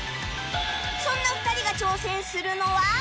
そんな２人が挑戦するのは